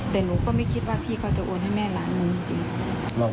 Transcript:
แต่หนูก็ไม่คิดว่าพี่เขาจะโอนให้แม่ล้านหนึ่งจริง